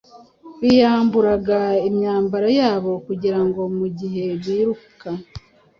biyamburaga imyambaro yabo kugira ngo mu gihe biruka,